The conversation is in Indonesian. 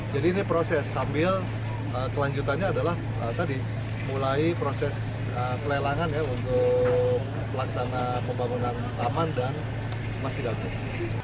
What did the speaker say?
jadi ini proses sambil kelanjutannya adalah mulai proses pelelangan untuk pelaksana pembangunan taman dan masjid agung